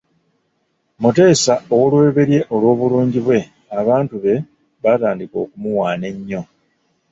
Muteesa owoolubereberye olw’obulungi bwe, abantu be baatandika okumuwaana ennyo.